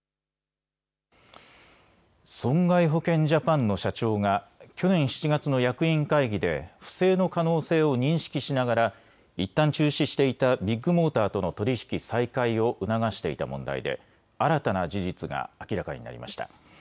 損害保険ジャパンの社長が去年７月の役員会議で不正の可能性を認識しながらいったん中止していたビッグモーターとの取り引き再開を促していた問題で新たな事実が明らかになりました。